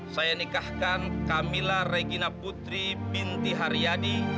saya nikahkan camilla regina putri binti haryadi